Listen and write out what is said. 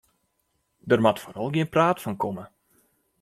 Der moat foaral gjin praat fan komme.